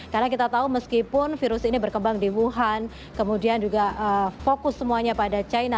karena kita tahu meskipun virus ini berkembang di wuhan kemudian juga fokus semuanya pada china